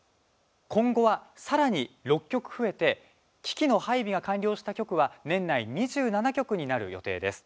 今後は、さらに６局増えて機器の配備が完了した局は年内２７局になる予定です。